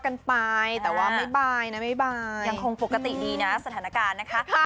ขอบคุณนะครับ